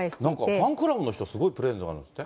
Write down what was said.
ファンクラブの人、すごいプレゼントがあるんですって？